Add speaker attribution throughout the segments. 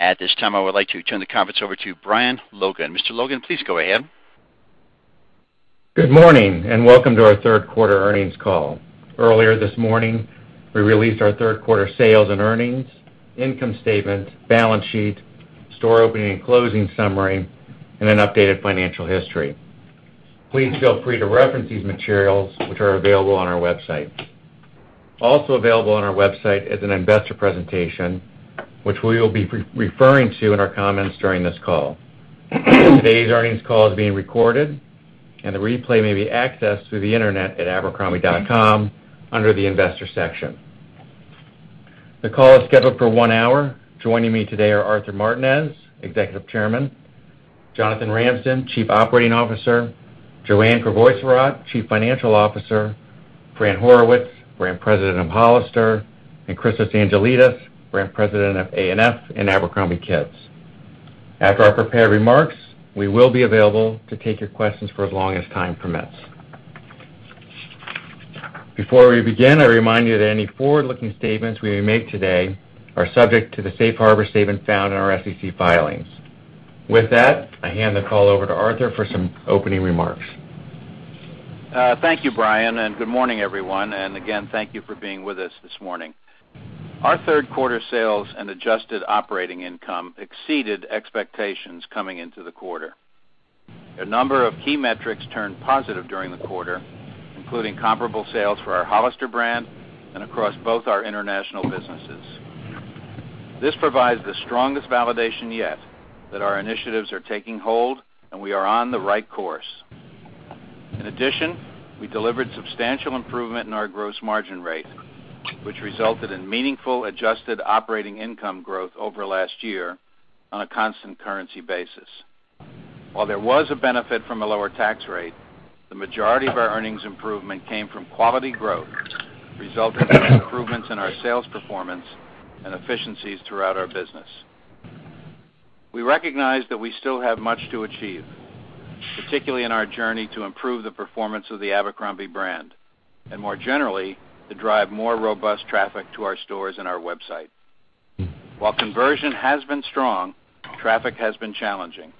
Speaker 1: At this time, I would like to turn the conference over to Brian Logan. Mr. Logan, please go ahead.
Speaker 2: Good morning, welcome to our third quarter earnings call. Earlier this morning, we released our third quarter sales and earnings, income statement, balance sheet, store opening and closing summary, and an updated financial history. Please feel free to reference these materials which are available on our website. Also available on our website is an investor presentation, which we will be referring to in our comments during this call. Today's earnings call is being recorded, and the replay may be accessed through the Internet at abercrombie.com under the investor section. The call is scheduled for one hour. Joining me today are Arthur Martinez, Executive Chairman, Jonathan Ramsden, Chief Operating Officer, Joanne Crevoiserat, Chief Financial Officer, Fran Horowitz, Brand President of Hollister, and Christos Angelides, Brand President of A&F and Abercrombie Kids. After our prepared remarks, we will be available to take your questions for as long as time permits. Before we begin, I remind you that any forward-looking statements we make today are subject to the safe harbor statement found in our SEC filings. With that, I hand the call over to Arthur for some opening remarks.
Speaker 3: Thank you, Brian, good morning, everyone. Again, thank you for being with us this morning. Our third quarter sales and adjusted operating income exceeded expectations coming into the quarter. A number of key metrics turned positive during the quarter, including comparable sales for our Hollister brand and across both our international businesses. This provides the strongest validation yet that our initiatives are taking hold and we are on the right course. In addition, we delivered substantial improvement in our gross margin rate, which resulted in meaningful adjusted operating income growth over last year on a constant currency basis. While there was a benefit from a lower tax rate, the majority of our earnings improvement came from quality growth, resulting from improvements in our sales performance and efficiencies throughout our business. We recognize that we still have much to achieve, particularly in our journey to improve the performance of the Abercrombie brand and more generally, to drive more robust traffic to our stores and our website. While conversion has been strong, traffic has been challenging.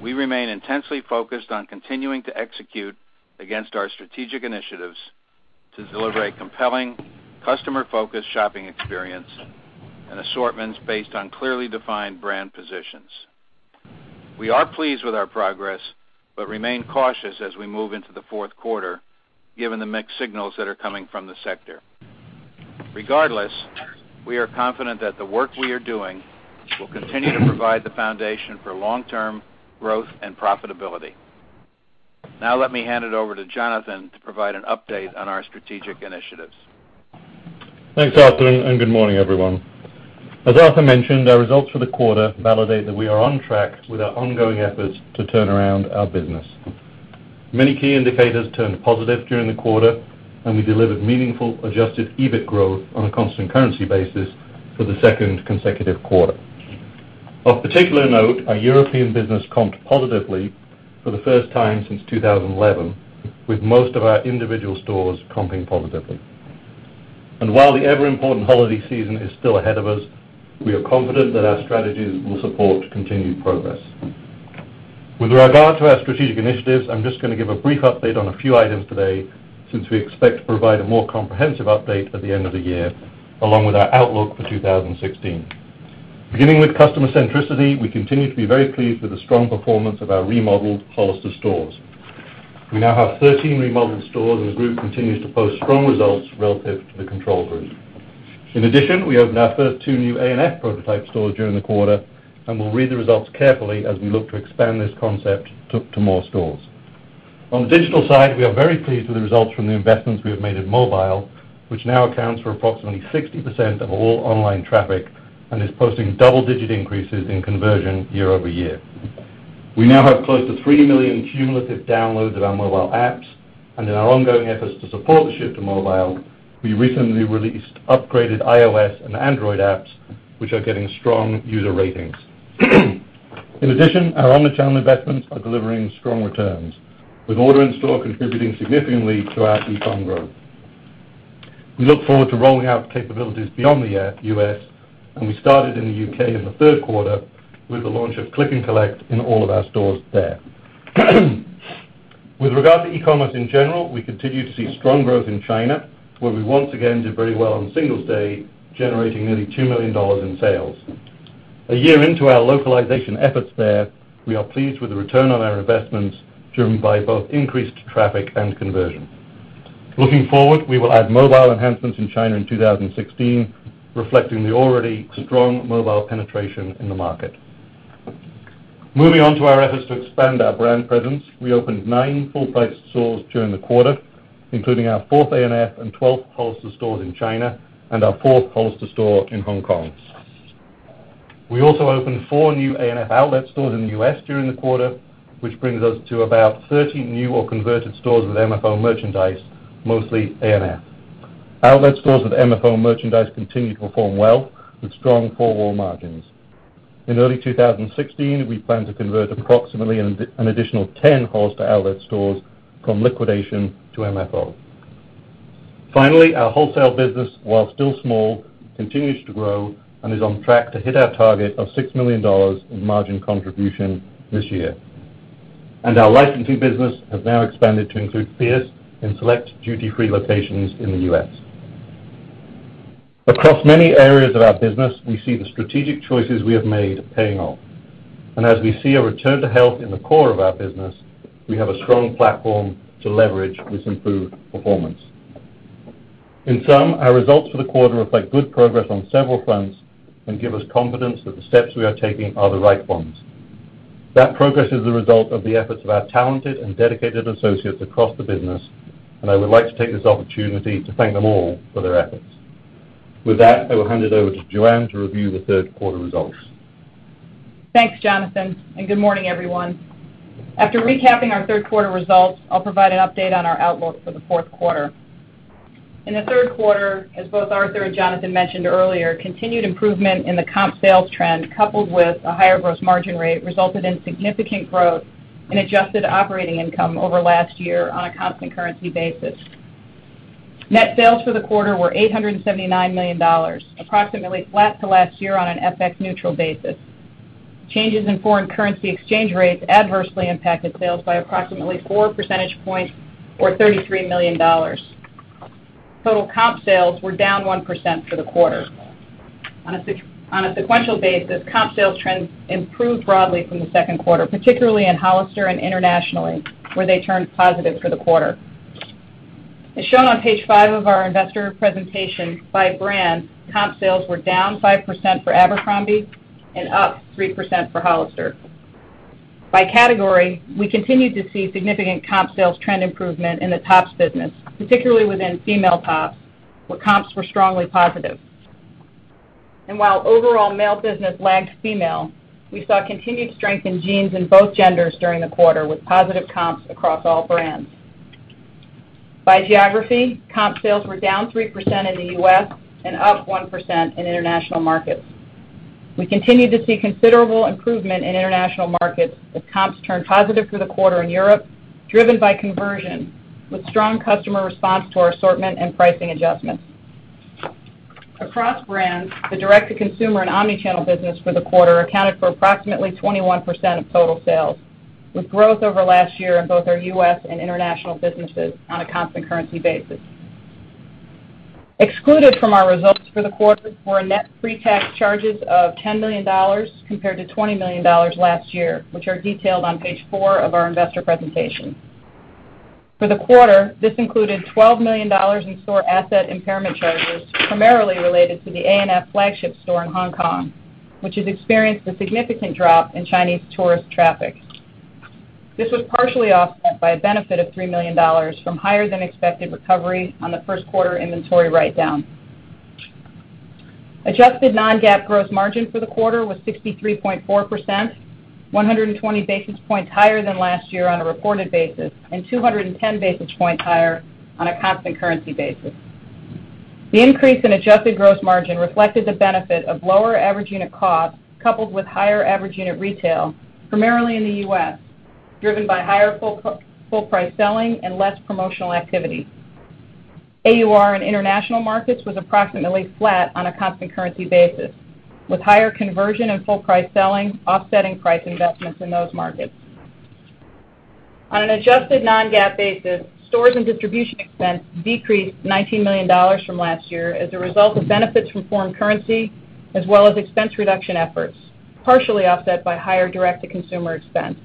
Speaker 3: We remain intensely focused on continuing to execute against our strategic initiatives to deliver a compelling customer-focused shopping experience and assortments based on clearly defined brand positions. We are pleased with our progress but remain cautious as we move into the fourth quarter, given the mixed signals that are coming from the sector. Regardless, we are confident that the work we are doing will continue to provide the foundation for long-term growth and profitability. Now let me hand it over to Jonathan to provide an update on our strategic initiatives.
Speaker 4: Thanks, Arthur, and good morning, everyone. As Arthur mentioned, our results for the quarter validate that we are on track with our ongoing efforts to turn around our business. Many key indicators turned positive during the quarter, and we delivered meaningful adjusted EBIT growth on a constant currency basis for the second consecutive quarter. Of particular note, our European business comped positively for the first time since 2011, with most of our individual stores comping positively. While the ever-important holiday season is still ahead of us, we are confident that our strategies will support continued progress. With regard to our strategic initiatives, I'm just going to give a brief update on a few items today since we expect to provide a more comprehensive update at the end of the year, along with our outlook for 2016. Beginning with customer centricity, we continue to be very pleased with the strong performance of our remodeled Hollister stores. We now have 13 remodeled stores, and the group continues to post strong results relative to the control group. In addition, we opened our first two new A&F prototype stores during the quarter and will read the results carefully as we look to expand this concept to more stores. On the digital side, we are very pleased with the results from the investments we have made in mobile, which now accounts for approximately 60% of all online traffic and is posting double-digit increases in conversion year-over-year. We now have close to 3 million cumulative downloads of our mobile apps, and in our ongoing efforts to support the shift to mobile, we recently released upgraded iOS and Android apps, which are getting strong user ratings. In addition, our omnichannel investments are delivering strong returns, with order in store contributing significantly to our e-com growth. We look forward to rolling out capabilities beyond the U.S., and we started in the U.K. in the third quarter with the launch of click and collect in all of our stores there. With regard to e-commerce in general, we continue to see strong growth in China, where we once again did very well on Singles' Day, generating nearly $2 million in sales. A year into our localization efforts there, we are pleased with the return on our investments, driven by both increased traffic and conversion. Looking forward, we will add mobile enhancements in China in 2016, reflecting the already strong mobile penetration in the market. Moving on to our efforts to expand our brand presence, we opened nine full-priced stores during the quarter, including our fourth A&F and 12th Hollister stores in China and our fourth Hollister store in Hong Kong. We also opened four new A&F outlet stores in the U.S. during the quarter, which brings us to about 30 new or converted stores with MFO merchandise, mostly A&F. Outlet stores with MFO merchandise continue to perform well with strong full wall margins. In early 2016, we plan to convert approximately an additional 10 Hollister outlet stores from liquidation to MFO. Finally, our wholesale business, while still small, continues to grow and is on track to hit our target of $6 million in margin contribution this year. Our licensing business has now expanded to include Fierce in select duty-free locations in the U.S. Across many areas of our business, we see the strategic choices we have made paying off. As we see a return to health in the core of our business, we have a strong platform to leverage this improved performance. In sum, our results for the quarter reflect good progress on several fronts and give us confidence that the steps we are taking are the right ones. That progress is the result of the efforts of our talented and dedicated associates across the business, and I would like to take this opportunity to thank them all for their efforts. With that, I will hand it over to Joanne to review the third quarter results.
Speaker 5: Thanks, Jonathan, and good morning, everyone. After recapping our third quarter results, I'll provide an update on our outlook for the fourth quarter. In the third quarter, as both Arthur and Jonathan mentioned earlier, continued improvement in the comp sales trend, coupled with a higher gross margin rate, resulted in significant growth in adjusted operating income over last year on a constant currency basis. Net sales for the quarter were $879 million, approximately flat to last year on an FX-neutral basis. Changes in foreign currency exchange rates adversely impacted sales by approximately four percentage points or $33 million. Total comp sales were down 1% for the quarter. On a sequential basis, comp sales trends improved broadly from the second quarter, particularly in Hollister and internationally, where they turned positive for the quarter. As shown on page five of our investor presentation, by brand, comp sales were down 5% for Abercrombie and up 3% for Hollister. By category, we continued to see significant comp sales trend improvement in the tops business, particularly within female tops, where comps were strongly positive. While overall male business lagged female, we saw continued strength in jeans in both genders during the quarter, with positive comps across all brands. By geography, comp sales were down 3% in the U.S. and up 1% in international markets. We continued to see considerable improvement in international markets, with comps turning positive for the quarter in Europe, driven by conversion, with strong customer response to our assortment and pricing adjustments. Across brands, the direct-to-consumer and omnichannel business for the quarter accounted for approximately 21% of total sales, with growth over last year in both our U.S. and international businesses on a constant currency basis. Excluded from our results for the quarter were net pre-tax charges of $10 million compared to $20 million last year, which are detailed on page four of our investor presentation. For the quarter, this included $12 million in store asset impairment charges, primarily related to the A&F flagship store in Hong Kong, which has experienced a significant drop in Chinese tourist traffic. This was partially offset by a benefit of $3 million from higher-than-expected recovery on the first quarter inventory write-down. Adjusted non-GAAP gross margin for the quarter was 63.4%, 120 basis points higher than last year on a reported basis and 210 basis points higher on a constant currency basis. The increase in adjusted gross margin reflected the benefit of lower average unit cost coupled with higher average unit retail, primarily in the U.S., driven by higher full-price selling and less promotional activity. AUR in international markets was approximately flat on a constant currency basis, with higher conversion and full-price selling offsetting price investments in those markets. On an adjusted non-GAAP basis, stores and distribution expense decreased $19 million from last year as a result of benefits from foreign currency as well as expense reduction efforts, partially offset by higher direct-to-consumer expense.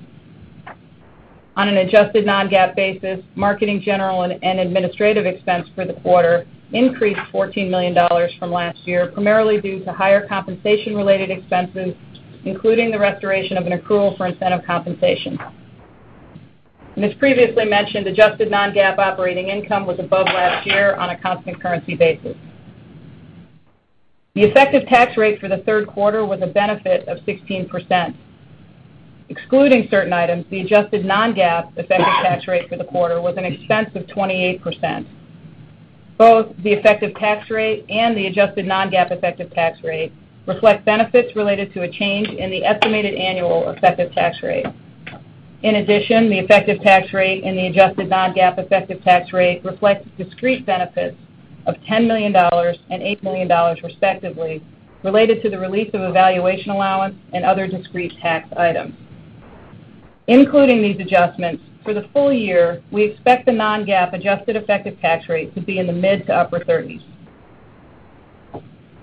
Speaker 5: On an adjusted non-GAAP basis, marketing, general and administrative expense for the quarter increased $14 million from last year, primarily due to higher compensation-related expenses, including the restoration of an accrual for incentive compensation. As previously mentioned, adjusted non-GAAP operating income was above last year on a constant currency basis. The effective tax rate for the third quarter was a benefit of 16%. Excluding certain items, the adjusted non-GAAP effective tax rate for the quarter was an expense of 28%. Both the effective tax rate and the adjusted non-GAAP effective tax rate reflect benefits related to a change in the estimated annual effective tax rate. In addition, the effective tax rate and the adjusted non-GAAP effective tax rate reflect discrete benefits of $10 million and $8 million respectively related to the release of a valuation allowance and other discrete tax items. Including these adjustments, for the full year, we expect the non-GAAP adjusted effective tax rate to be in the mid to upper 30s.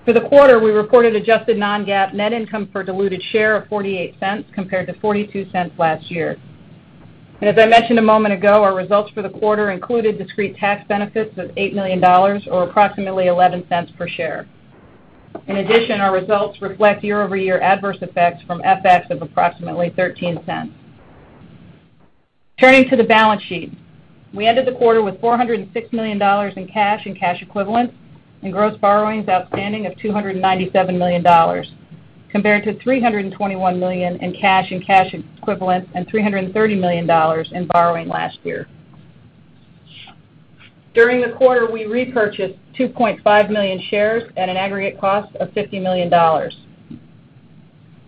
Speaker 5: For the quarter, we reported adjusted non-GAAP net income per diluted share of $0.48 compared to $0.42 last year. As I mentioned a moment ago, our results for the quarter included discrete tax benefits of $8 million or approximately $0.11 per share. In addition, our results reflect year-over-year adverse effects from FX of approximately $0.13. Turning to the balance sheet. We ended the quarter with $406 million in cash and cash equivalents and gross borrowings outstanding of $297 million, compared to $321 million in cash and cash equivalents and $330 million in borrowing last year. During the quarter, we repurchased 2.5 million shares at an aggregate cost of $50 million.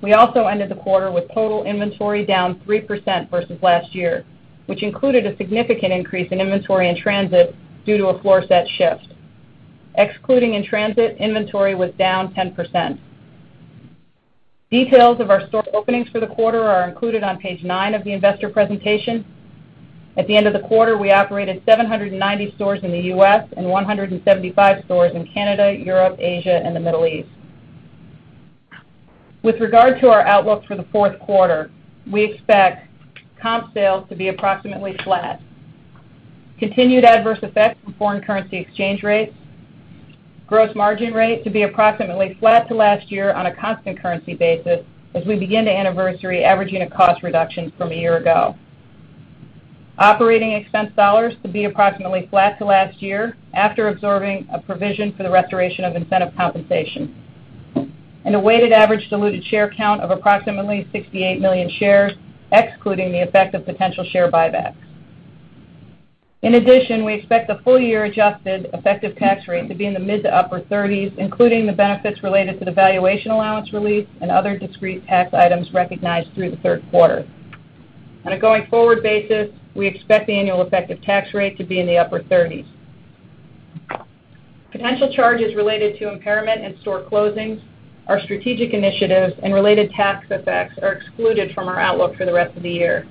Speaker 5: We also ended the quarter with total inventory down 3% versus last year, which included a significant increase in inventory in transit due to a floor set shift. Excluding in-transit, inventory was down 10%. Details of our store openings for the quarter are included on page nine of the investor presentation. At the end of the quarter, we operated 790 stores in the U.S. and 175 stores in Canada, Europe, Asia, and the Middle East. With regard to our outlook for the fourth quarter, we expect comp sales to be approximately flat. Continued adverse effects from foreign currency exchange rates. Gross margin rate to be approximately flat to last year on a constant currency basis as we begin to anniversary averaging a cost reduction from a year ago. Operating expense dollars to be approximately flat to last year after absorbing a provision for the restoration of incentive compensation. A weighted average diluted share count of approximately 68 million shares, excluding the effect of potential share buybacks. In addition, we expect the full-year adjusted effective tax rate to be in the mid to upper 30s, including the benefits related to the valuation allowance release and other discrete tax items recognized through the third quarter. On a going-forward basis, we expect the annual effective tax rate to be in the upper 30s. Potential charges related to impairment and store closings, our strategic initiatives, and related tax effects are excluded from our outlook for the rest of the year.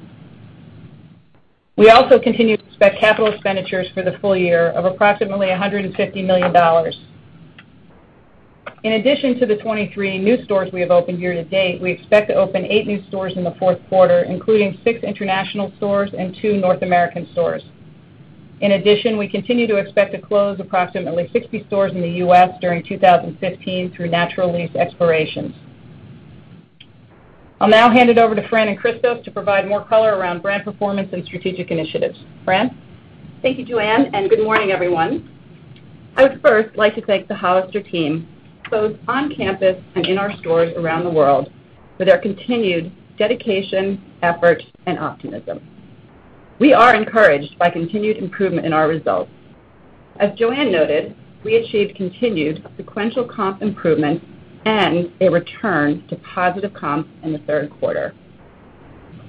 Speaker 5: We also continue to expect capital expenditures for the full year of approximately $150 million. In addition to the 23 new stores we have opened year to date, we expect to open eight new stores in the fourth quarter, including six international stores and two North American stores. In addition, we continue to expect to close approximately 60 stores in the U.S. during 2015 through natural lease expirations. I'll now hand it over to Fran and Christos to provide more color around brand performance and strategic initiatives. Fran?
Speaker 6: Thank you, Joanne, and good morning, everyone. I would first like to thank the Hollister team, both on campus and in our stores around the world, for their continued dedication, effort, and optimism. We are encouraged by continued improvement in our results. As Joanne noted, we achieved continued sequential comp improvements and a return to positive comps in the third quarter.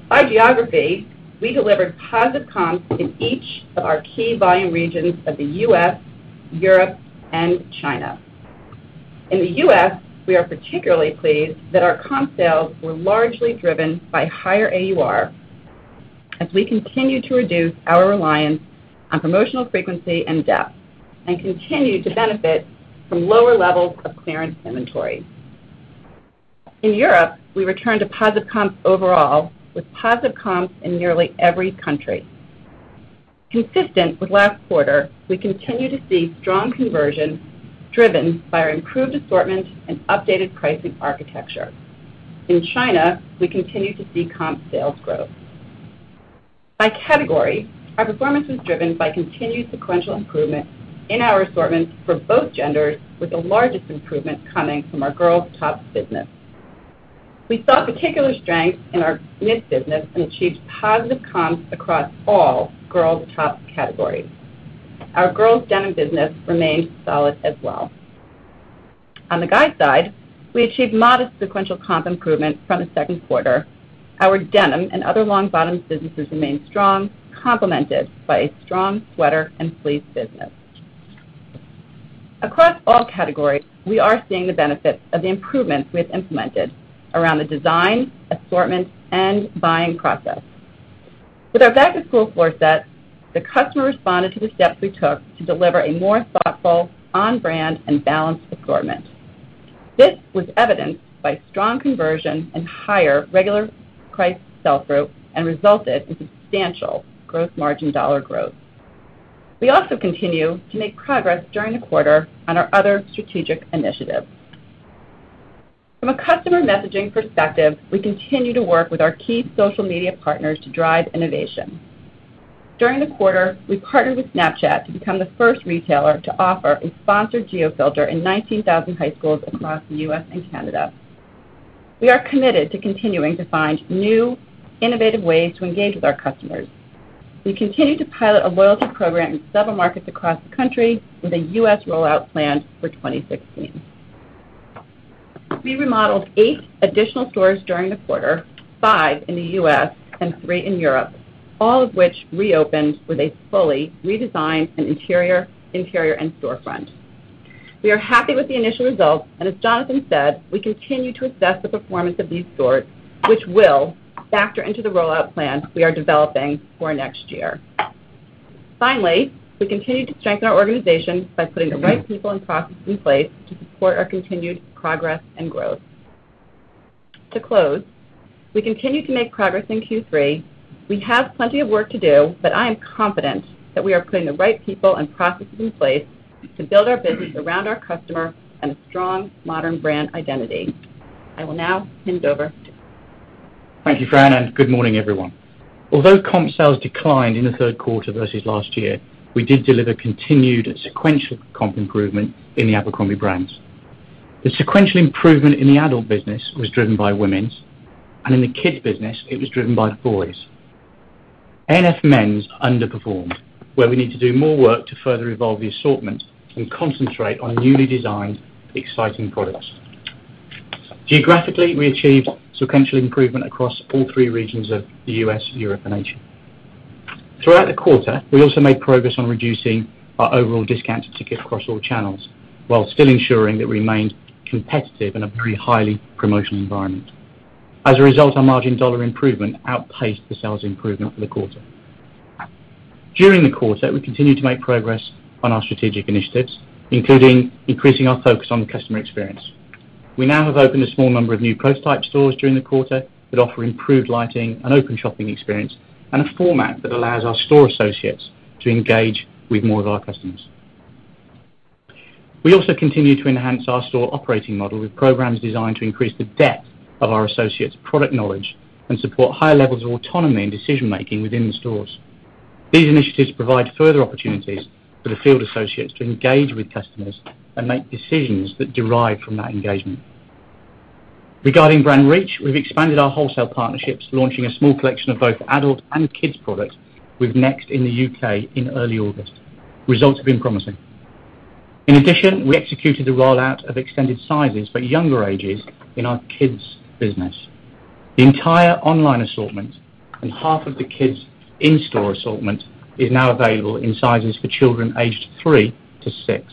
Speaker 6: By geography, we delivered positive comps in each of our key volume regions of the U.S., Europe, and China. In the U.S., we are particularly pleased that our comp sales were largely driven by higher AUR as we continue to reduce our reliance on promotional frequency and depth and continue to benefit from lower levels of clearance inventory. In Europe, we returned to positive comps overall, with positive comps in nearly every country. Consistent with last quarter, we continue to see strong conversion driven by our improved assortment and updated pricing architecture. In China, we continue to see comp sales growth. By category, our performance was driven by continued sequential improvement in our assortments for both genders, with the largest improvement coming from our girls top business. We saw particular strength in our kids business and achieved positive comps across all girls top categories. Our girls denim business remained solid as well. On the guide side, we achieved modest sequential comp improvement from the second quarter. Our denim and other long bottoms businesses remained strong, complemented by a strong sweater and fleece business. Across all categories, we are seeing the benefits of the improvements we have implemented around the design, assortment, and buying process. With our back-to-school floor sets, the customer responded to the steps we took to deliver a more thoughtful, on-brand, and balanced assortment. This was evidenced by strong conversion and higher regular price sell-through and resulted in substantial gross margin dollar growth. We also continue to make progress during the quarter on our other strategic initiatives. From a customer messaging perspective, we continue to work with our key social media partners to drive innovation. During the quarter, we partnered with Snapchat to become the first retailer to offer a sponsored geofilter in 19,000 high schools across the U.S. and Canada. We are committed to continuing to find new, innovative ways to engage with our customers. We continue to pilot a loyalty program in several markets across the country with a U.S. rollout plan for 2016. We remodeled eight additional stores during the quarter, five in the U.S. and three in Europe, all of which reopened with a fully redesigned interior and storefront. We are happy with the initial results, and as Jonathan said, we continue to assess the performance of these stores, which will factor into the rollout plan we are developing for next year. Finally, we continue to strengthen our organization by putting the right people and processes in place to support our continued progress and growth. To close, we continue to make progress in Q3. We have plenty of work to do, but I am confident that we are putting the right people and processes in place to build our business around our customer and a strong modern brand identity. I will now hand it over to
Speaker 7: Thank you, Fran, and good morning, everyone. Although comp sales declined in the third quarter versus last year, we did deliver continued sequential comp improvement in the Abercrombie brands. The sequential improvement in the adult business was driven by women's, and in the kids business, it was driven by boys. A&F Men's underperformed, where we need to do more work to further evolve the assortment and concentrate on newly designed exciting products. Geographically, we achieved sequential improvement across all three regions of the U.S., Europe, and Asia. Throughout the quarter, we also made progress on reducing our overall discount ticket across all channels, while still ensuring that we remained competitive in a very highly promotional environment. As a result, our margin dollar improvement outpaced the sales improvement for the quarter. During the quarter, we continued to make progress on our strategic initiatives, including increasing our focus on the customer experience. We now have opened a small number of new prototype stores during the quarter that offer improved lighting, an open shopping experience, and a format that allows our store associates to engage with more of our customers. We also continue to enhance our store operating model with programs designed to increase the depth of our associates' product knowledge and support higher levels of autonomy and decision-making within the stores. These initiatives provide further opportunities for the field associates to engage with customers and make decisions that derive from that engagement. Regarding brand reach, we've expanded our wholesale partnerships, launching a small collection of both adult and kids' products with Next in the U.K. in early August. Results have been promising. In addition, we executed the rollout of extended sizes for younger ages in our kids' business. The entire online assortment and half of the kids' in-store assortment is now available in sizes for children aged three to six.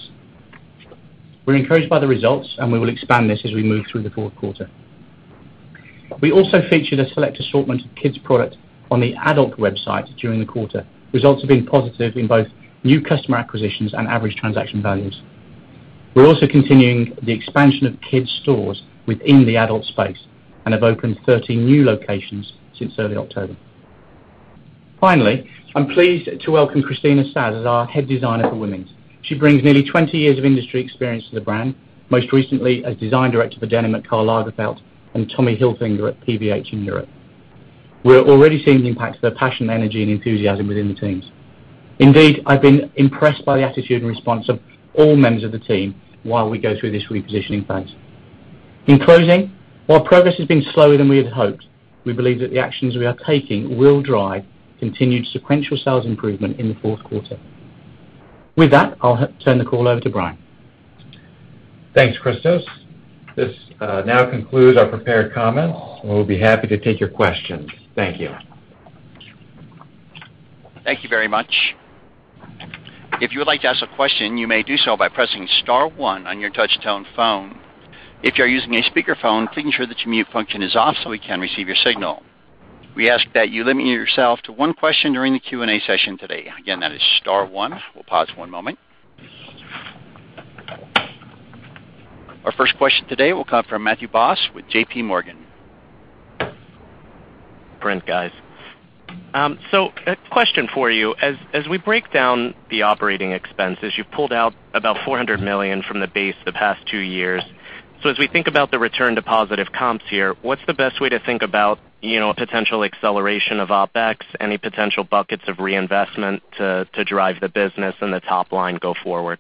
Speaker 7: We're encouraged by the results, and we will expand this as we move through the fourth quarter. We also featured a select assortment of kids' product on the adult website during the quarter. Results have been positive in both new customer acquisitions and average transaction values. We're also continuing the expansion of kids' stores within the adult space and have opened 13 new locations since early October. Finally, I'm pleased to welcome Kristina Szasz as our head designer for women's. She brings nearly 20 years of industry experience to the brand, most recently as design director for denim at Karl Lagerfeld and Tommy Hilfiger at PVH in Europe. We're already seeing the impact of her passion, energy, and enthusiasm within the teams. Indeed, I've been impressed by the attitude and response of all members of the team while we go through this repositioning phase. In closing, while progress has been slower than we had hoped, we believe that the actions we are taking will drive continued sequential sales improvement in the fourth quarter. With that, I'll turn the call over to Brian.
Speaker 2: Thanks, Christos. This now concludes our prepared comments, we'll be happy to take your questions. Thank you.
Speaker 1: Thank you very much. If you would like to ask a question, you may do so by pressing star one on your touch-tone phone. If you're using a speakerphone, please ensure that your mute function is off so we can receive your signal. We ask that you limit yourself to one question during the Q&A session today. Again, that is star one. We'll pause one moment. Our first question today will come from Matthew Boss with JPMorgan.
Speaker 8: Friends, guys. A question for you. As we break down the operating expenses, you've pulled out about $400 million from the base the past two years. As we think about the return to positive comps here, what's the best way to think about potential acceleration of OpEx, any potential buckets of reinvestment to derive the business and the top line go forward?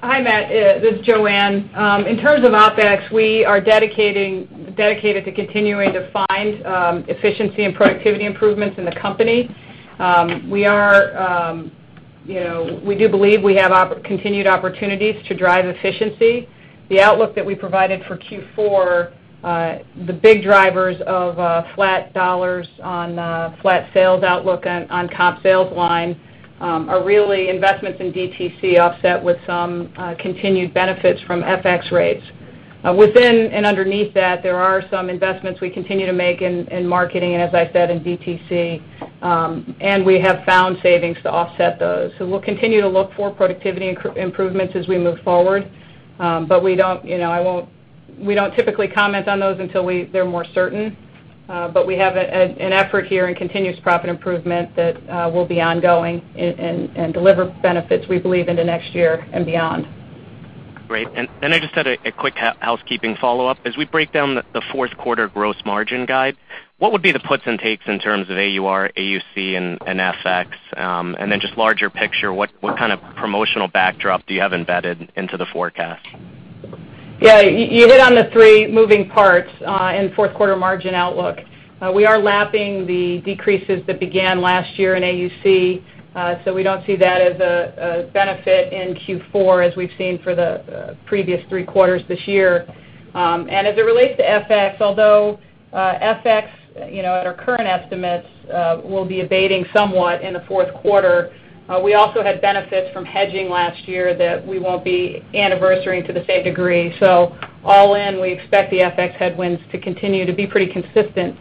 Speaker 5: Hi, Matt. This is Joanne. In terms of OpEx, we are dedicated to continuing to find efficiency and productivity improvements in the company. We do believe we have continued opportunities to drive efficiency. The outlook that we provided for Q4, the big drivers of flat dollars on a flat sales outlook on comp sales line are really investments in DTC offset with some continued benefits from FX rates. Within and underneath that, there are some investments we continue to make in marketing, and as I said, in DTC. We have found savings to offset those. We'll continue to look for productivity improvements as we move forward. We don't typically comment on those until they're more certain. We have an effort here in continuous profit improvement that will be ongoing and deliver benefits, we believe, into next year and beyond.
Speaker 8: I just had a quick housekeeping follow-up. As we break down the fourth quarter gross margin guide, what would be the puts and takes in terms of AUR, AUC, and FX? Then just larger picture, what kind of promotional backdrop do you have embedded into the forecast?
Speaker 5: Yeah. You hit on the three moving parts in fourth quarter margin outlook. We are lapping the decreases that began last year in AUC, so we don't see that as a benefit in Q4 as we've seen for the previous three quarters this year. As it relates to FX, although FX, at our current estimates, will be abating somewhat in the fourth quarter, we also had benefits from hedging last year that we won't be anniversarying to the same degree. All in, we expect the FX headwinds to continue to be pretty consistent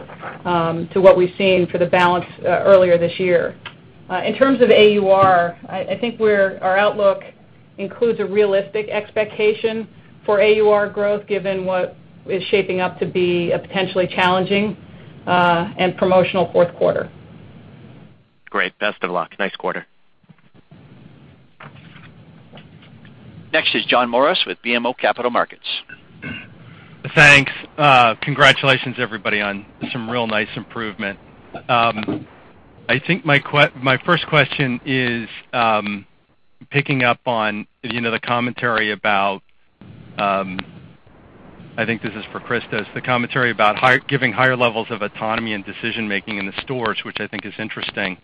Speaker 5: to what we've seen for the balance earlier this year. In terms of AUR, I think our outlook includes a realistic expectation for AUR growth given what is shaping up to be a potentially challenging and promotional fourth quarter.
Speaker 8: Great. Best of luck. Nice quarter.
Speaker 1: Next is John Morris with BMO Capital Markets.
Speaker 9: Thanks. Congratulations, everybody, on some real nice improvement. I think my first question is picking up on the commentary about I think this is for Christos. The commentary about giving higher levels of autonomy and decision-making in the stores, which I think is interesting.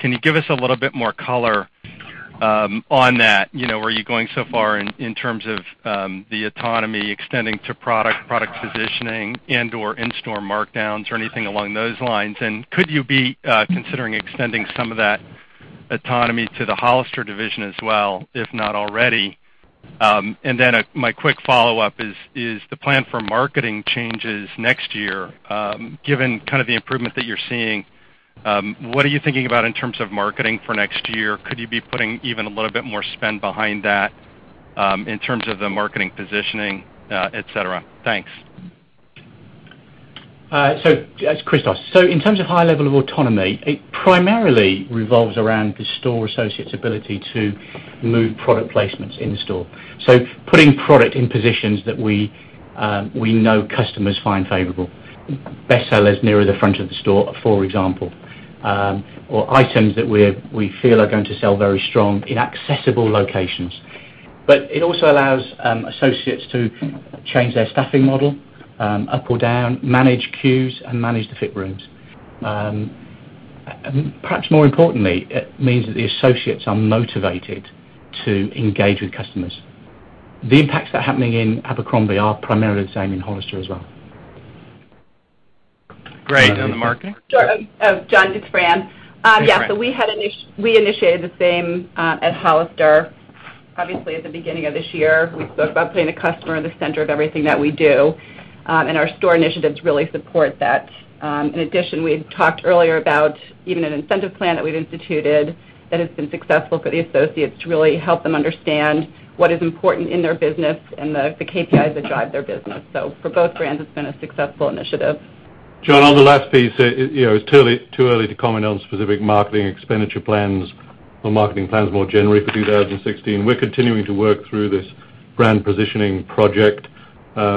Speaker 9: Can you give us a little bit more color on that? Were you going so far in terms of the autonomy extending to product positioning, and/or in-store markdowns or anything along those lines? Could you be considering extending some of that autonomy to the Hollister division as well, if not already? My quick follow-up is the plan for marketing changes next year. Given the improvement that you're seeing, what are you thinking about in terms of marketing for next year? Could you be putting even a little bit more spend behind that, in terms of the marketing positioning, et cetera? Thanks.
Speaker 7: It's Christos. In terms of high level of autonomy, it primarily revolves around the store associate's ability to move product placements in store. Putting product in positions that we know customers find favorable. Bestsellers near the front of the store, for example. Items that we feel are going to sell very strong in accessible locations. It also allows associates to change their staffing model, up or down, manage queues, and manage the fit rooms. Perhaps more importantly, it means that the associates are motivated to engage with customers. The impacts that are happening in Abercrombie are primarily the same in Hollister as well.
Speaker 9: Great. On the marketing?
Speaker 6: John, it's Fran.
Speaker 9: Hi, Fran.
Speaker 6: Yeah. We initiated the same at Hollister. Obviously, at the beginning of this year, we spoke about putting the customer in the center of everything that we do, and our store initiatives really support that. In addition, we had talked earlier about even an incentive plan that we've instituted that has been successful for the associates to really help them understand what is important in their business and the KPIs that drive their business. For both brands, it's been a successful initiative.
Speaker 4: John, on the last piece, it's too early to comment on specific marketing expenditure plans or marketing plans more generally for 2016. We're continuing to work through this brand positioning project.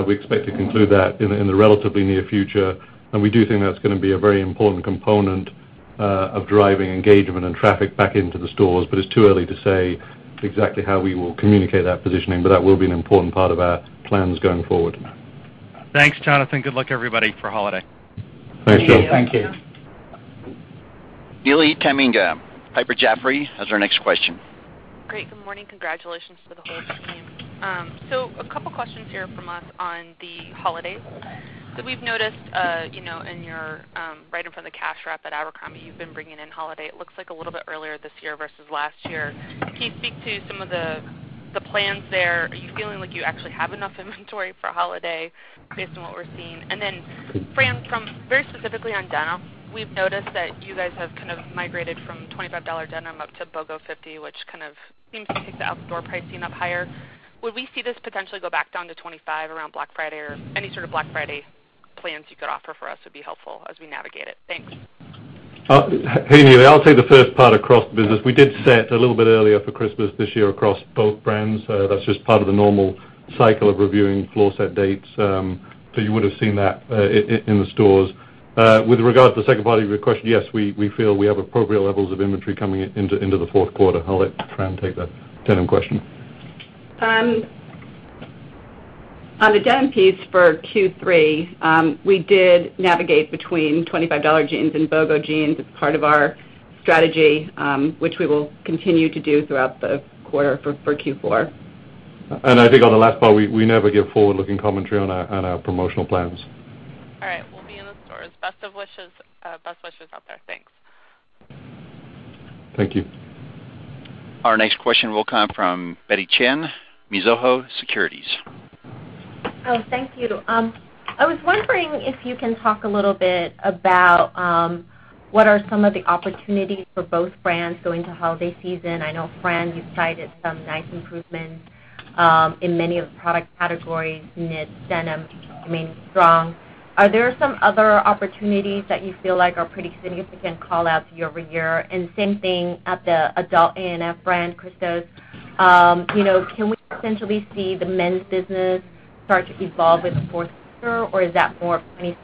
Speaker 4: We expect to conclude that in the relatively near future, and we do think that's going to be a very important component of driving engagement and traffic back into the stores. It's too early to say exactly how we will communicate that positioning, but that will be an important part of our plans going forward.
Speaker 9: Thanks, Jonathan. Good luck, everybody, for holiday.
Speaker 4: Thanks, John.
Speaker 6: Thank you.
Speaker 7: Thank you.
Speaker 1: Neely Tamminga, Piper Jaffray, as our next question.
Speaker 10: Great. Good morning. Congratulations to the whole team. A couple of questions here from us on the holidays. We've noticed, right in front of the cash wrap at Abercrombie, you've been bringing in holiday, it looks like a little bit earlier this year versus last year. Can you speak to some of the plans there? Are you feeling like you actually have enough inventory for holiday based on what we're seeing? Fran, very specifically on denim. We've noticed that you guys have kind of migrated from $25 denim up to BOGO 50, which kind of seems to take the outdoor pricing up higher. Would we see this potentially go back down to $25 around Black Friday? Any sort of Black Friday plans you could offer for us would be helpful as we navigate it. Thanks.
Speaker 4: Hey, Neely. I'll take the first part across business. We did set a little bit earlier for Christmas this year across both brands. That's just part of the normal cycle of reviewing floor set dates. You would've seen that in the stores. With regards to the second part of your question, yes, we feel we have appropriate levels of inventory coming into the fourth quarter. I'll let Fran take the denim question.
Speaker 6: On the denim piece for Q3, we did navigate between $25 jeans and BOGO jeans as part of our strategy, which we will continue to do throughout the quarter for Q4.
Speaker 4: I think on the last part, we never give forward-looking commentary on our promotional plans.
Speaker 10: All right. We'll be in the stores. Best wishes out there. Thanks.
Speaker 4: Thank you.
Speaker 1: Our next question will come from Betty Chen, Mizuho Securities.
Speaker 11: Thank you. I was wondering if you can talk a little bit about what are some of the opportunities for both brands going to holiday season. I know, Fran, you've cited some nice improvements in many of the product categories. Denim remains strong. Are there some other opportunities that you feel like are pretty significant call-outs year-over-year? Same thing at the adult A&F brand, Christos. Can we essentially see the men's business start to evolve into or is that more in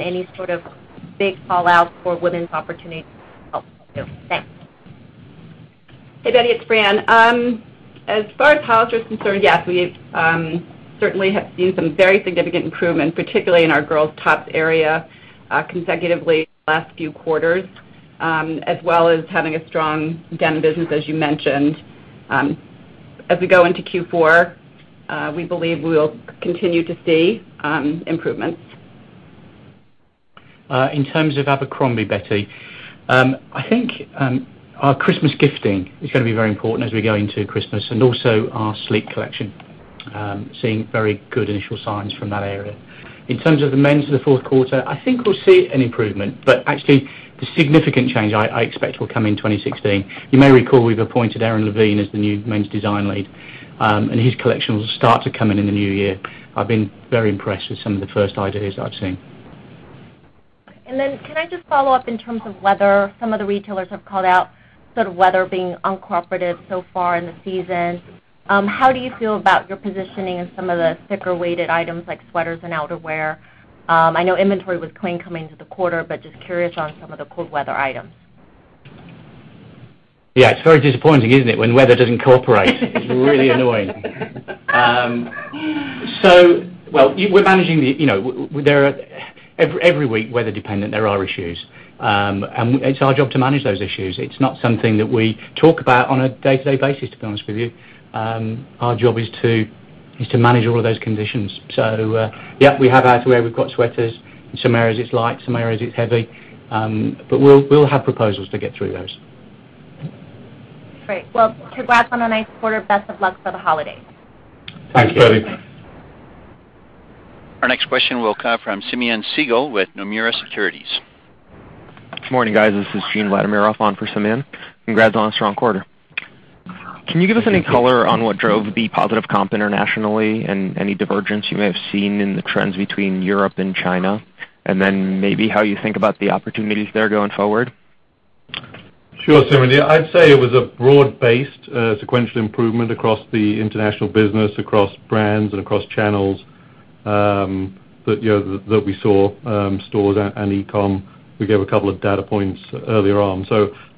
Speaker 11: any sort of big call out for women's opportunities? Thanks.
Speaker 6: Hey, Betty. It's Fran. As far as Hollister is concerned, yes, we certainly have seen some very significant improvement, particularly in our girls' tops area, consecutively the last few quarters, as well as having a strong denim business, as you mentioned. As we go into Q4, we believe we will continue to see improvements.
Speaker 7: In terms of Abercrombie, Betty, I think our Christmas gifting is going to be very important as we go into Christmas, and also our sleep collection. Seeing very good initial signs from that area. In terms of the men's in the fourth quarter, I think we'll see an improvement. Actually, the significant change I expect will come in 2016. You may recall we've appointed Aaron Levine as the new men's design lead, and his collection will start to come in in the new year. I've been very impressed with some of the first ideas I've seen.
Speaker 11: Can I just follow up in terms of weather. Some of the retailers have called out sort of weather being uncooperative so far in the season. How do you feel about your positioning in some of the thicker weighted items like sweaters and outerwear? I know inventory was clean coming into the quarter, but just curious on some of the cold weather items.
Speaker 7: Yeah, it's very disappointing, isn't it? When weather doesn't cooperate. It's really annoying. Well, every week, weather dependent, there are issues. It's our job to manage those issues. It's not something that we talk about on a day-to-day basis, to be honest with you. Our job is to manage all of those conditions. Yeah, we have outerwear, we've got sweaters. In some areas it's light, some areas it's heavy. We'll have proposals to get through those.
Speaker 11: Great. Well, congrats on a nice quarter. Best of luck for the holidays.
Speaker 7: Thank you.
Speaker 4: Thanks.
Speaker 1: Our next question will come from Simeon Siegel with Nomura Securities.
Speaker 12: Good morning, guys. This is Gene Vladimirov on for Simeon. Congrats on a strong quarter. Can you give us any color on what drove the positive comp internationally and any divergence you may have seen in the trends between Europe and China? Maybe how you think about the opportunities there going forward?
Speaker 4: Sure, Simeon. I'd say it was a broad-based, sequential improvement across the international business, across brands, and across channels that we saw stores and e-com. We gave a couple of data points earlier on.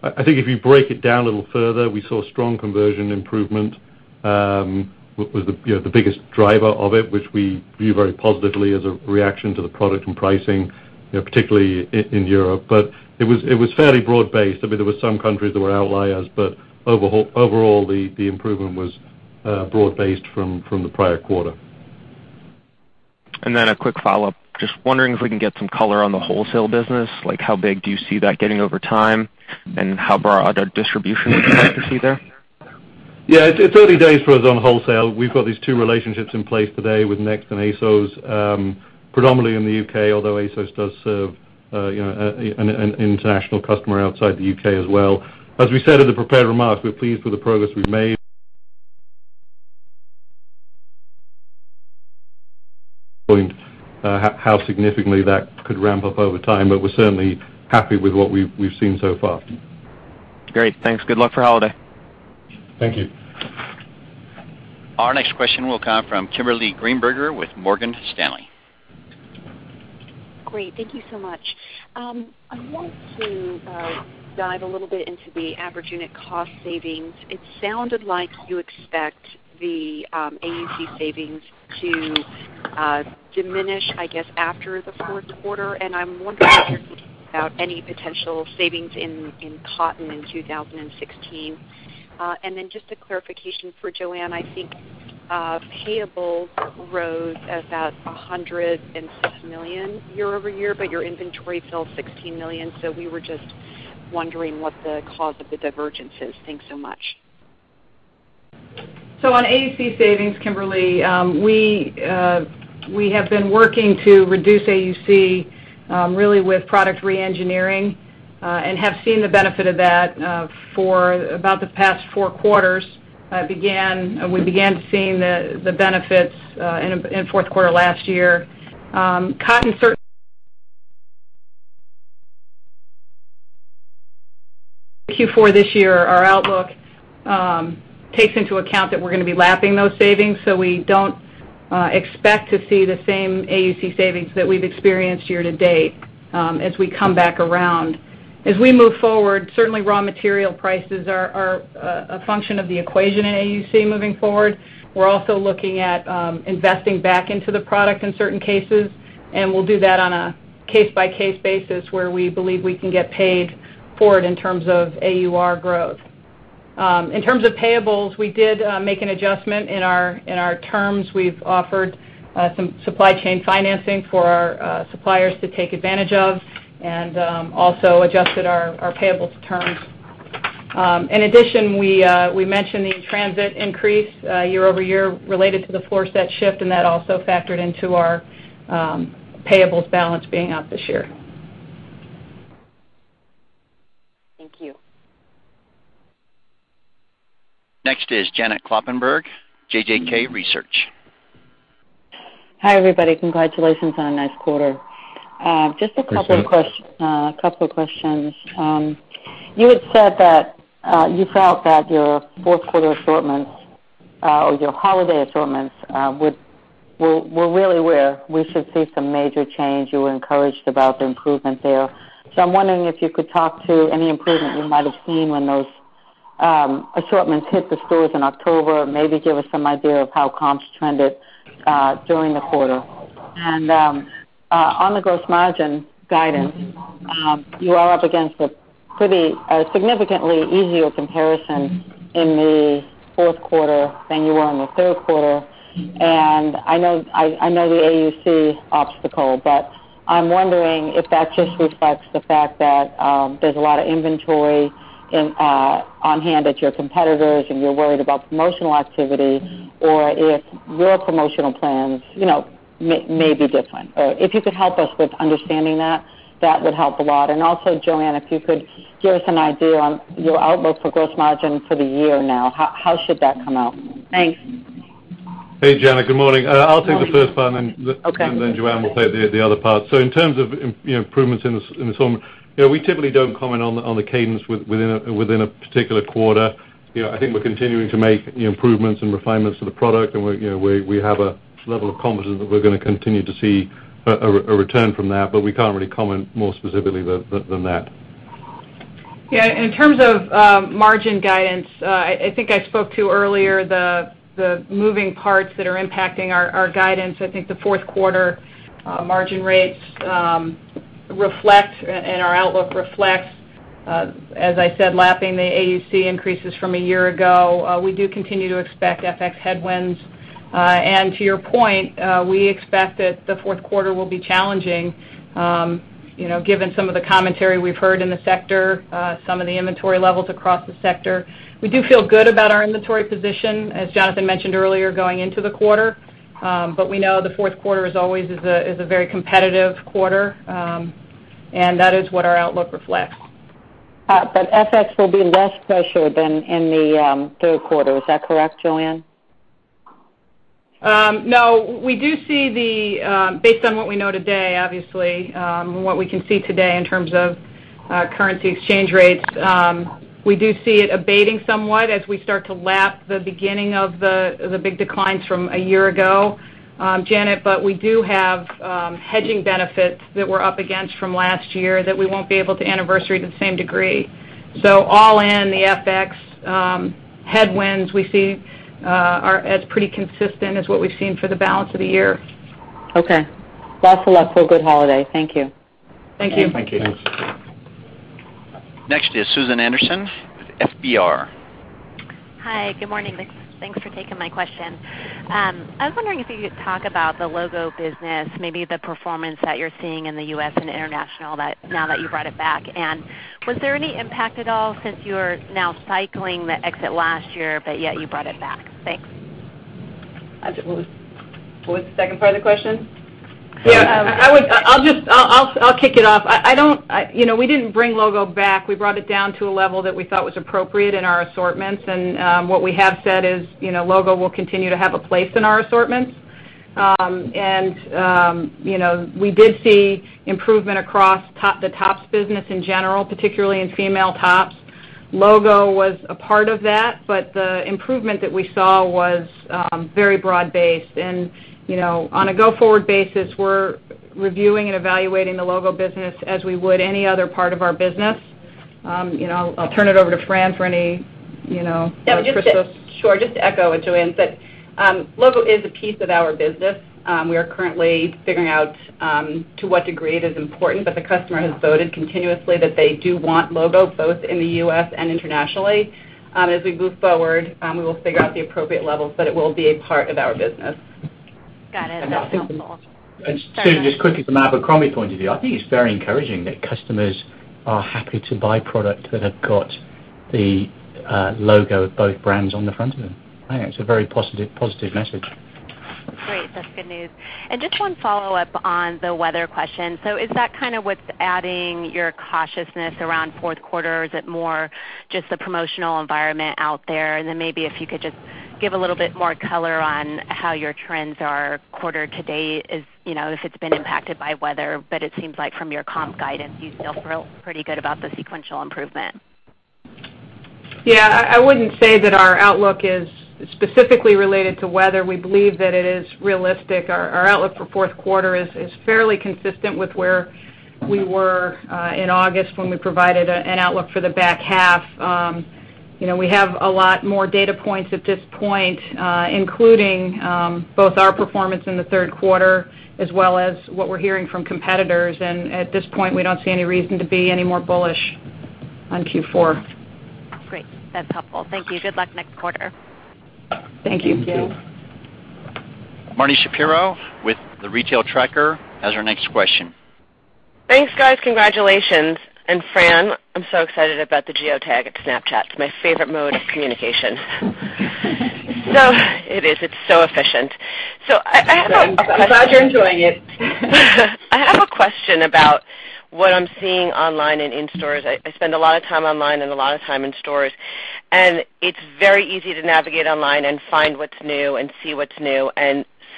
Speaker 4: I think if you break it down a little further, we saw strong conversion improvement, was the biggest driver of it, which we view very positively as a reaction to the product and pricing, particularly in Europe. It was fairly broad-based. There were some countries that were outliers, but overall, the improvement was broad-based from the prior quarter.
Speaker 12: A quick follow-up. Just wondering if we can get some color on the wholesale business. How big do you see that getting over time? How broad a distribution would you like to see there?
Speaker 4: Yeah, it's early days for us on wholesale. We've got these two relationships in place today with NEXT and ASOS predominantly in the U.K., although ASOS does serve an international customer outside the U.K. as well. As we said in the prepared remarks, we're pleased with the progress we've made. How significantly that could ramp up over time, but we're certainly happy with what we've seen so far.
Speaker 12: Great. Thanks. Good luck for holiday.
Speaker 4: Thank you.
Speaker 1: Our next question will come from Kimberly Greenberger with Morgan Stanley.
Speaker 13: Great. Thank you so much. I wanted to dive a little bit into the average unit cost savings. It sounded like you expect the AUC savings to diminish, I guess, after the fourth quarter. I'm wondering if you can talk about any potential savings in cotton in 2016. Just a clarification for Joanne, I think payables rose about $106 million year-over-year, but your inventory fell $16 million. We were just wondering what the cause of the divergence is. Thanks so much.
Speaker 5: On AUC savings, Kimberly, we have been working to reduce AUC, really with product re-engineering, and have seen the benefit of that for about the past four quarters. We began seeing the benefits in fourth quarter last year. Q4 this year, our outlook takes into account that we're going to be lapping those savings, so we don't expect to see the same AUC savings that we've experienced year to date as we come back around. As we move forward, certainly raw material prices are a function of the equation in AUC moving forward. We're also looking at investing back into the product in certain cases, and we'll do that on a case-by-case basis where we believe we can get paid for it in terms of AUR growth. In terms of payables, we did make an adjustment in our terms. We've offered some supply chain financing for our suppliers to take advantage of and also adjusted our payable terms. In addition, we mentioned the in-transit increase year-over-year related to the floor-set shift, and that also factored into our payables balance being up this year.
Speaker 13: Thank you.
Speaker 1: Next is Janet Kloppenburg, JJK Research.
Speaker 14: Hi, everybody. Congratulations on a nice quarter.
Speaker 4: Thank you.
Speaker 14: Just a couple of questions. You had said that you felt that your fourth quarter assortments, or your holiday assortments, were really where we should see some major change. You were encouraged about the improvement there. I'm wondering if you could talk to any improvement you might have seen when those assortments hit the stores in October, maybe give us some idea of how comps trended during the quarter. On the gross margin guidance, you are up against a significantly easier comparison in the fourth quarter than you were in the third quarter. I know the AUC obstacle, but I'm wondering if that just reflects the fact that there's a lot of inventory on hand at your competitors and you're worried about promotional activity, or if your promotional plans may be different. If you could help us with understanding that would help a lot. Also, Joanne, if you could give us an idea on your outlook for gross margin for the year now. How should that come out? Thanks.
Speaker 4: Hey, Janet. Good morning.
Speaker 14: Good morning.
Speaker 4: I'll take the first part-
Speaker 14: Okay
Speaker 4: Joanne will take the other part. In terms of improvements in assortment, we typically don't comment on the cadence within a particular quarter. I think we're continuing to make improvements and refinements to the product, and we have a level of confidence that we're going to continue to see a return from that. We can't really comment more specifically than that.
Speaker 5: Yeah. In terms of margin guidance, I think I spoke to earlier the moving parts that are impacting our guidance. I think the fourth quarter margin rates reflect, and our outlook reflects, as I said, lapping the AUC increases from a year ago. We do continue to expect FX headwinds. To your point, we expect that the fourth quarter will be challenging, given some of the commentary we've heard in the sector, some of the inventory levels across the sector. We do feel good about our inventory position, as Jonathan mentioned earlier, going into the quarter. We know the fourth quarter is always a very competitive quarter, and that is what our outlook reflects.
Speaker 14: FX will be less pressure than in the third quarter. Is that correct, Joanne?
Speaker 5: No. Based on what we know today, obviously, and what we can see today in terms of currency exchange rates, we do see it abating somewhat as we start to lap the beginning of the big declines from a year ago, Janet. We do have hedging benefits that we're up against from last year that we won't be able to anniversary to the same degree. All in, the FX headwinds we see are as pretty consistent as what we've seen for the balance of the year.
Speaker 14: Okay. Lots of luck for a good holiday. Thank you.
Speaker 5: Thank you.
Speaker 4: Thank you.
Speaker 1: Next is Susan Anderson with FBR.
Speaker 15: Hi. Good morning. Thanks for taking my question. I was wondering if you could talk about the logo business, maybe the performance that you're seeing in the U.S. and international now that you brought it back. Was there any impact at all since you're now cycling the exit last year, but yet you brought it back? Thanks.
Speaker 5: What was the second part of the question?
Speaker 4: Yeah.
Speaker 5: I'll kick it off. We didn't bring logo back. We brought it down to a level that we thought was appropriate in our assortments. What we have said is logo will continue to have a place in our assortments. We did see improvement across the tops business in general, particularly in female tops. Logo was a part of that. The improvement that we saw was very broad-based. On a go-forward basis, we're reviewing and evaluating the logo business as we would any other part of our business. I'll turn it over to Fran.
Speaker 6: Sure. Just to echo what Joanne said. Logo is a piece of our business. We are currently figuring out to what degree it is important. The customer has voted continuously that they do want logo, both in the U.S. and internationally. As we move forward, we will figure out the appropriate levels, but it will be a part of our business.
Speaker 15: Got it. That's helpful.
Speaker 7: Susan, just quickly from Abercrombie point of view, I think it's very encouraging that customers are happy to buy product that have got the logo of both brands on the front of them. I think it's a very positive message.
Speaker 15: Great. That's good news. Just one follow-up on the weather question. Is that kind of what's adding your cautiousness around fourth quarter? Is it more just the promotional environment out there? Then maybe if you could just give a little bit more color on how your trends are quarter to date, if it's been impacted by weather. It seems like from your comp guidance, you still feel pretty good about the sequential improvement.
Speaker 5: Yeah. I wouldn't say that our outlook is specifically related to weather. We believe that it is realistic. Our outlook for fourth quarter is fairly consistent with where we were in August when we provided an outlook for the back half. We have a lot more data points at this point, including both our performance in the third quarter as well as what we're hearing from competitors. At this point, we don't see any reason to be any more bullish on Q4.
Speaker 15: Great. That's helpful. Thank you. Good luck next quarter.
Speaker 5: Thank you.
Speaker 4: Thank you.
Speaker 1: Marni Shapiro with The Retail Tracker has our next question.
Speaker 16: Thanks, guys. Congratulations. Fran, I'm so excited about the geotag at Snapchat. It's my favorite mode of communication. It is. It's so efficient.
Speaker 6: I'm glad you're enjoying it.
Speaker 16: I have a question about what I'm seeing online and in stores. I spend a lot of time online and a lot of time in stores, and it's very easy to navigate online and find what's new and see what's new.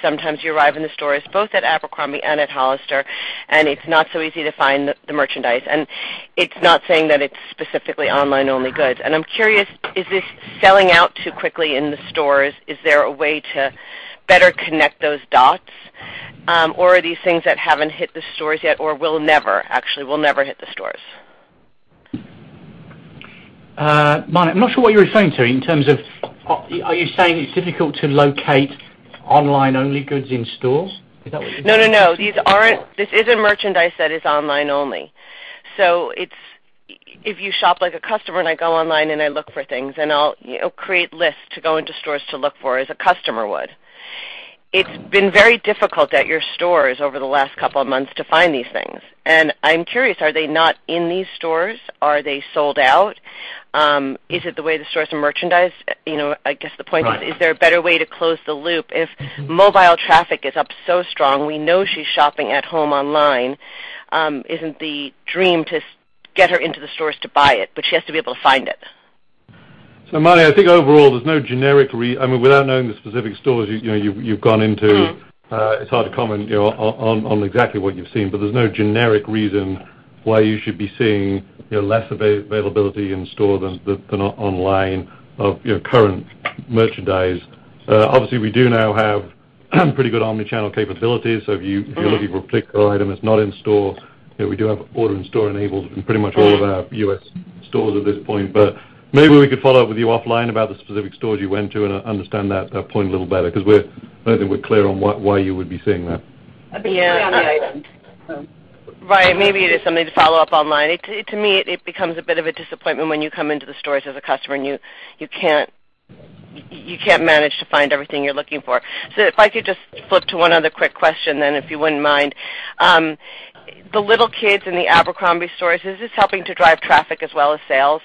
Speaker 16: Sometimes you arrive in the stores, both at Abercrombie and at Hollister, and it's not so easy to find the merchandise. It's not saying that it's specifically online-only goods. I'm curious, is this selling out too quickly in the stores? Is there a way to better connect those dots? Or are these things that haven't hit the stores yet or will never, actually, will never hit the stores?
Speaker 4: Marni, I'm not sure what you're referring to in terms of. Are you saying it's difficult to locate online-only goods in stores?
Speaker 16: No, these aren't. This isn't merchandise that is online only. If you shop like a customer, I go online and I look for things, I'll create lists to go into stores to look for as a customer would. It's been very difficult at your stores over the last couple of months to find these things. I'm curious, are they not in these stores? Are they sold out? Is it the way the stores are merchandised?
Speaker 4: Right
Speaker 16: Is there a better way to close the loop if mobile traffic is up so strong, we know she's shopping at home online. Isn't the dream to get her into the stores to buy it, but she has to be able to find it.
Speaker 4: Marni, I think overall, I mean, without knowing the specific stores you've gone into. It's hard to comment on exactly what you've seen. There's no generic reason why you should be seeing lesser availability in store than online of your current merchandise. Obviously, we do now have pretty good omni-channel capabilities. If you're looking for a particular item that's not in store, we do have order in-store enabled in pretty much all of our U.S. stores at this point. Maybe we could follow up with you offline about the specific stores you went to and understand that point a little better, because I don't think we're clear on why you would be seeing that.
Speaker 16: Yeah.
Speaker 5: A bit surprising.
Speaker 16: Right. Maybe it is something to follow up online. To me, it becomes a bit of a disappointment when you come into the stores as a customer, and you can't manage to find everything you're looking for. If I could just flip to one other quick question then, if you wouldn't mind. The little kids in the Abercrombie stores, is this helping to drive traffic as well as sales?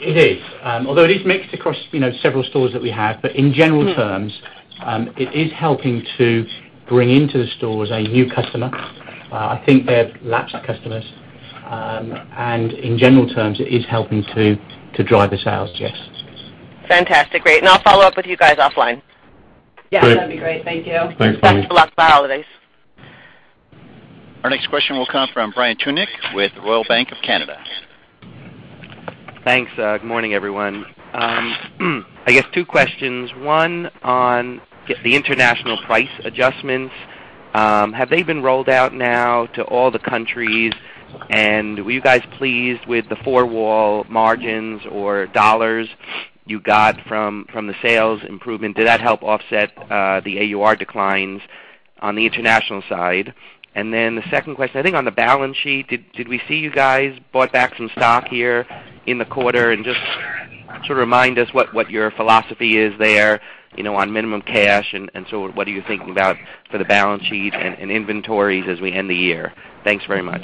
Speaker 7: It is. Although it is mixed across several stores that we have. In general terms, it is helping to bring into the stores a new customer. I think they're lapsed customers. In general terms, it is helping to drive the sales. Yes.
Speaker 16: Fantastic. Great. I'll follow up with you guys offline.
Speaker 5: Yeah, that'd be great. Thank you.
Speaker 4: Thanks.
Speaker 16: Best of luck for the holidays.
Speaker 1: Our next question will come from Brian Tunick with Royal Bank of Canada.
Speaker 17: Thanks. Good morning, everyone. I guess two questions. One on the international price adjustments. Have they been rolled out now to all the countries, and were you guys pleased with the four-wall margins or dollars you got from the sales improvement? Did that help offset the AUR declines on the international side? The second question, I think on the balance sheet, did we see you guys bought back some stock here in the quarter? Just to remind us what your philosophy is there on minimum cash, what are you thinking about for the balance sheet and inventories as we end the year. Thanks very much.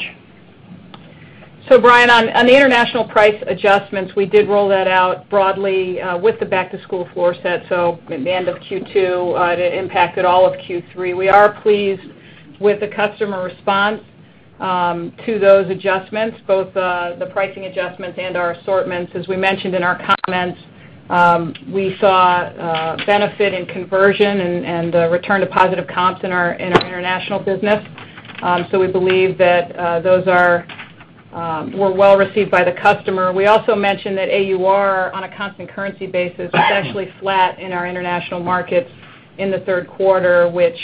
Speaker 5: Brian, on the international price adjustments, we did roll that out broadly with the back-to-school floor set. At the end of Q2, it impacted all of Q3. We are pleased with the customer response to those adjustments, both the pricing adjustments and our assortments. As we mentioned in our comments, we saw a benefit in conversion and a return to positive comps in our international business. We believe that those were well received by the customer. We also mentioned that AUR, on a constant currency basis, was actually flat in our international markets in the third quarter, which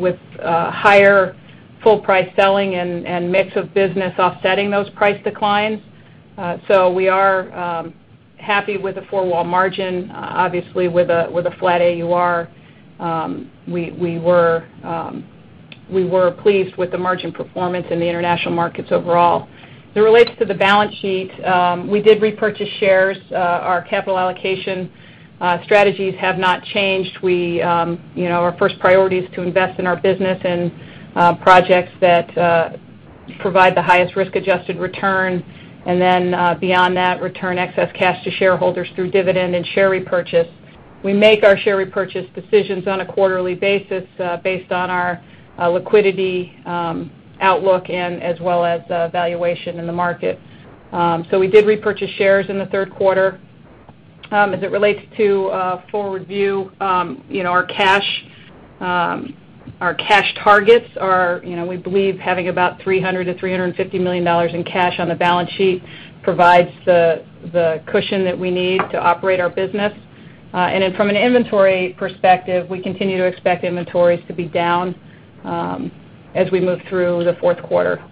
Speaker 5: with higher full-price selling and mix of business offsetting those price declines. We are happy with the four-wall margin. Obviously, with a flat AUR, we were pleased with the margin performance in the international markets overall. As it relates to the balance sheet, we did repurchase shares. Our capital allocation strategies have not changed. Our first priority is to invest in our business and projects that provide the highest risk-adjusted return, then, beyond that, return excess cash to shareholders through dividend and share repurchase. We make our share repurchase decisions on a quarterly basis based on our liquidity outlook as well as valuation in the market. We did repurchase shares in the third quarter. As it relates to forward view, our cash targets are, we believe having about $300 million to $350 million in cash on the balance sheet provides the cushion that we need to operate our business. From an inventory perspective, we continue to expect inventories to be down as we move through the fourth quarter.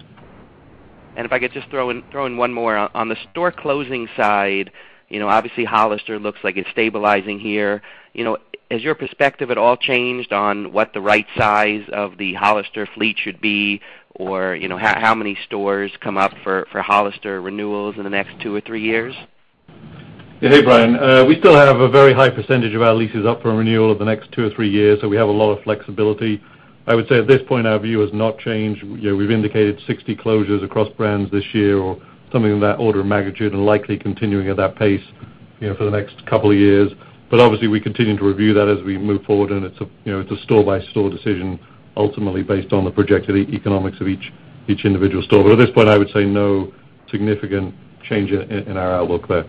Speaker 17: If I could just throw in one more. On the store closing side, obviously Hollister looks like it's stabilizing here. Has your perspective at all changed on what the right size of the Hollister fleet should be or how many stores come up for Hollister renewals in the next two or three years?
Speaker 4: Hey, Brian. We still have a very high percentage of our leases up for renewal over the next two or three years, we have a lot of flexibility. I would say at this point, our view has not changed. We've indicated 60 closures across brands this year or something in that order of magnitude, and likely continuing at that pace for the next couple of years. Obviously, we continue to review that as we move forward, and it's a store-by-store decision, ultimately based on the projected economics of each individual store. At this point, I would say no significant change in our outlook there.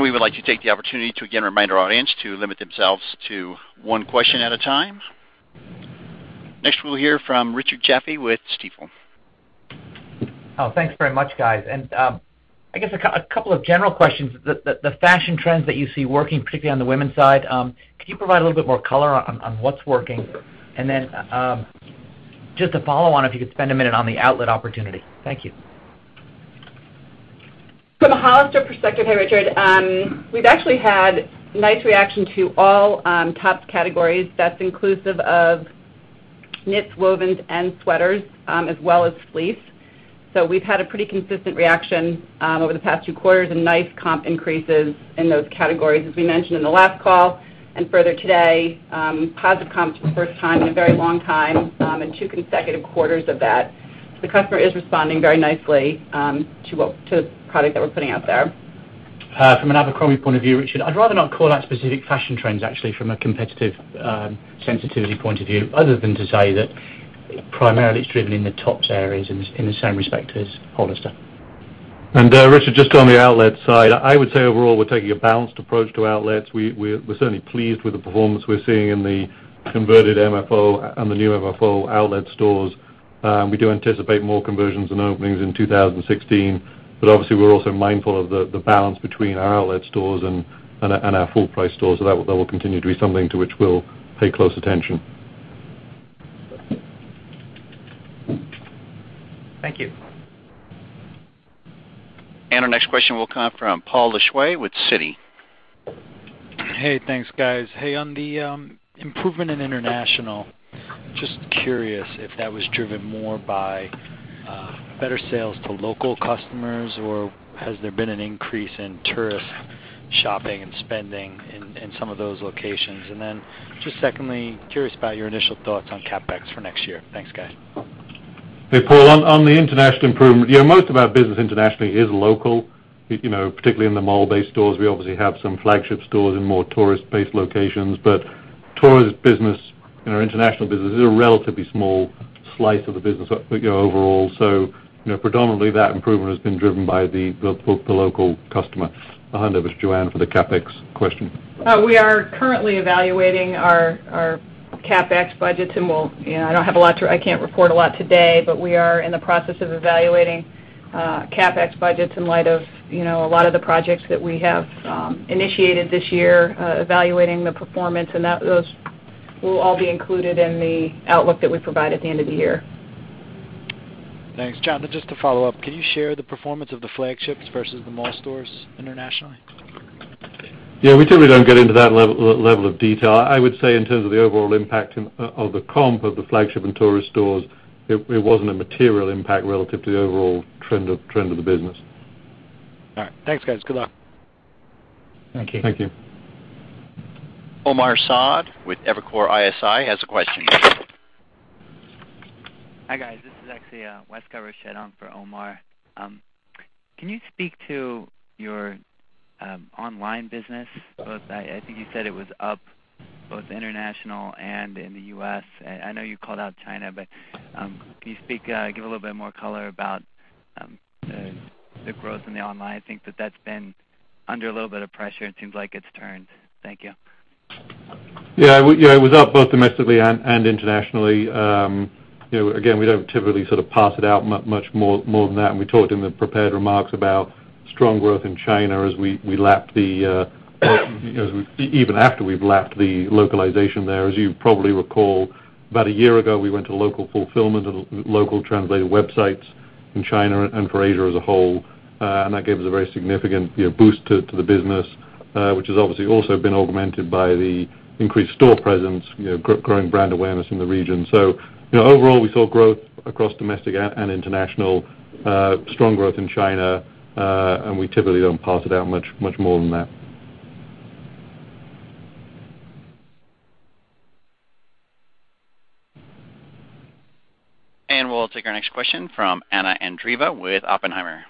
Speaker 1: We would like to take the opportunity to again remind our audience to limit themselves to one question at a time. Next, we'll hear from Richard Jaffe with Stifel.
Speaker 18: Thanks very much, guys. I guess a couple of general questions. The fashion trends that you see working, particularly on the women's side, can you provide a little bit more color on what's working? Just to follow on, if you could spend a minute on the outlet opportunity. Thank you.
Speaker 6: From a Hollister perspective, hey, Richard. We've actually had nice reaction to all tops categories. That's inclusive of knits, wovens, and sweaters, as well as fleece. We've had a pretty consistent reaction over the past two quarters and nice comp increases in those categories. As we mentioned in the last call and further today, positive comps for the first time in a very long time, and two consecutive quarters of that. The customer is responding very nicely to the product that we're putting out there.
Speaker 7: From an Abercrombie point of view, Richard, I'd rather not call out specific fashion trends, actually, from a competitive sensitivity point of view, other than to say that primarily it's driven in the tops areas in the same respect as Hollister.
Speaker 4: Richard, just on the outlet side, I would say overall, we're taking a balanced approach to outlets. We're certainly pleased with the performance we're seeing in the converted MFO and the new MFO outlet stores. We do anticipate more conversions and openings in 2016. Obviously, we're also mindful of the balance between our outlet stores and our full-price stores. That will continue to be something to which we'll pay close attention.
Speaker 18: Thank you.
Speaker 1: Our next question will come from Paul Lejuez with Citi.
Speaker 19: Hey, thanks guys. On the improvement in international, just curious if that was driven more by better sales to local customers, or has there been an increase in tourist shopping and spending in some of those locations? Then just secondly, curious about your initial thoughts on CapEx for next year. Thanks, guys.
Speaker 4: Hey, Paul. On the international improvement. Most of our business internationally is local, particularly in the mall-based stores. We obviously have some flagship stores in more tourist-based locations. Tourist business, our international business, is a relatively small slice of the business overall. Predominantly, that improvement has been driven by the local customer. I'll hand over to Joanne for the CapEx question.
Speaker 5: We are currently evaluating our CapEx budgets, and I can't report a lot today, but we are in the process of evaluating CapEx budgets in light of a lot of the projects that we have initiated this year, evaluating the performance, and those will all be included in the outlook that we provide at the end of the year.
Speaker 19: Thanks. John, just to follow up, can you share the performance of the flagships versus the mall stores internationally?
Speaker 4: Yeah, we typically don't get into that level of detail. I would say in terms of the overall impact of the comp of the flagship and tourist stores, it wasn't a material impact relative to the overall trend of the business.
Speaker 19: All right. Thanks, guys. Good luck.
Speaker 5: Thank you.
Speaker 4: Thank you.
Speaker 1: Omar Saad with Evercore ISI has a question.
Speaker 20: Hi, guys. This is actually Wes for Omar. Can you speak to your online business? I think you said it was up both international and in the U.S. I know you called out China, but can you give a little bit more color about the growth in the online? I think that that's been under a little bit of pressure. It seems like it's turned. Thank you.
Speaker 4: Yeah. It was up both domestically and internationally. Again, we don't typically sort of parse it out much more than that. We talked in the prepared remarks about strong growth in China even after we've lapped the localization there. As you probably recall, about a year ago, we went to local fulfillment and local translated websites in China and for Asia as a whole. That gave us a very significant boost to the business, which has obviously also been augmented by the increased store presence, growing brand awareness in the region. Overall, we saw growth across domestic and international, strong growth in China, and we typically don't parse it out much more than that.
Speaker 1: We'll take our next question from Anna Andreeva with Oppenheimer.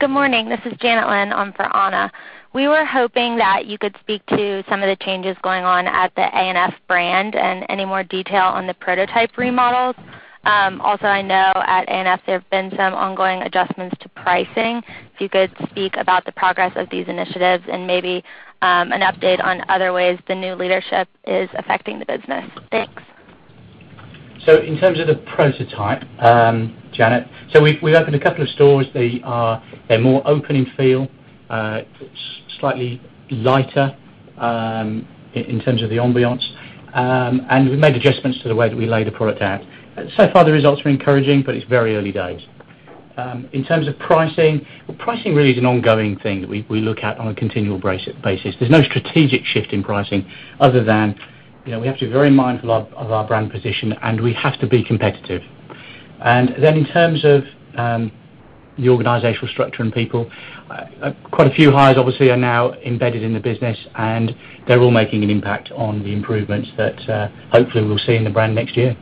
Speaker 21: Good morning. This is Janet Lin on for Anna. We were hoping that you could speak to some of the changes going on at the ANF brand and any more detail on the prototype remodels. Also, I know at ANF there have been some ongoing adjustments to pricing. If you could speak about the progress of these initiatives and maybe an update on other ways the new leadership is affecting the business. Thanks.
Speaker 7: In terms of the prototype, Janet, so we've opened a couple of stores. They're more open in feel, slightly lighter in terms of the ambiance. We've made adjustments to the way that we lay the product out. So far, the results are encouraging, but it's very early days. In terms of pricing really is an ongoing thing that we look at on a continual basis. There's no strategic shift in pricing other than, we have to be very mindful of our brand position, and we have to be competitive. In terms of the organizational structure and people, quite a few hires obviously are now embedded in the business, and they're all making an impact on the improvements that hopefully we'll see in the brand next year.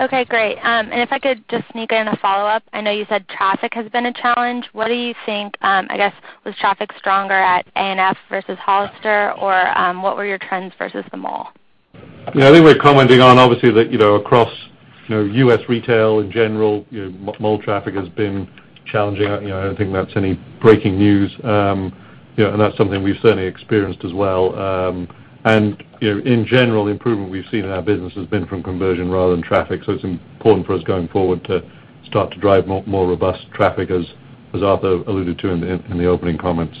Speaker 21: Okay, great. If I could just sneak in a follow-up. I know you said traffic has been a challenge. I guess, was traffic stronger at A&F versus Hollister, or what were your trends versus the mall?
Speaker 4: I think we're commenting on obviously that across U.S. retail in general, mall traffic has been challenging. I don't think that's any breaking news. That's something we've certainly experienced as well. In general, the improvement we've seen in our business has been from conversion rather than traffic. It's important for us going forward to start to drive more robust traffic, as Arthur alluded to in the opening comments.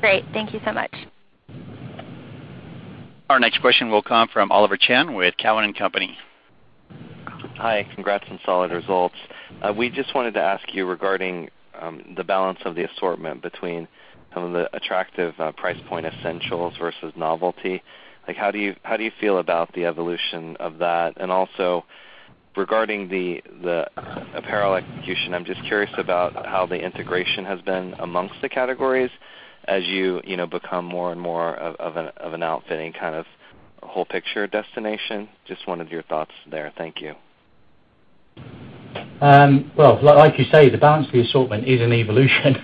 Speaker 21: Great. Thank you so much.
Speaker 1: Our next question will come from Oliver Chen with Cowen and Company.
Speaker 22: Hi. Congrats on solid results. We just wanted to ask you regarding the balance of the assortment between some of the attractive price point essentials versus novelty. How do you feel about the evolution of that? Also regarding the apparel execution, I'm just curious about how the integration has been amongst the categories as you become more and more of an outfitting kind of whole picture destination. Just wanted your thoughts there. Thank you.
Speaker 7: Well, like you say, the balance of the assortment is an evolution.